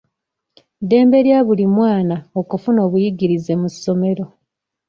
Ddembe lya buli mwana okufuna obuyigirize mu ssomero.